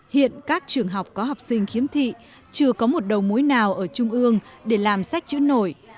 hiện các trường học có học sinh khiếm thị chưa có một đầu mối nào ở trung ương để làm sách chữ nổi